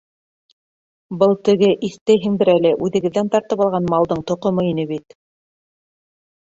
Был теге, иҫтәйһеңдер әле, үҙегеҙҙән тартып алған малдың тоҡомо ине бит...